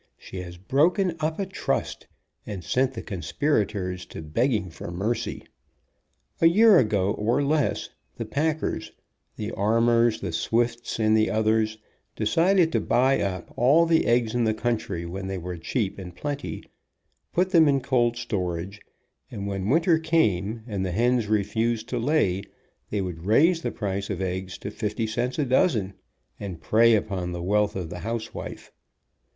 She has broken up a trust, and sent the conspirators THE HEN IN POLITICS to begging for mercy. A year ago, or less, the pack ers, the Armours, the Swifts, and the others, decided to buy up all the eggs in the country when they were cheap and plenty, put them in cold storage, and when winter came, and the hens refused to lay, they would raise the price of eggs to fifty cents a dozen, and prey upon the wealth of the housewife.